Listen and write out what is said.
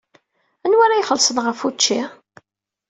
Anwa ara ixellṣen ɣef wučči?